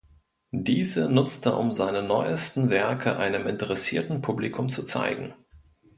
Diese nutzt er um seine neuesten Werke einem interessierten Publikum zu zeigen.